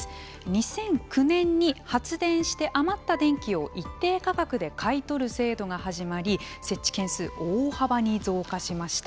２００９年に発電して余った電気を一定価格で買い取る制度が始まり設置件数大幅に増加しました。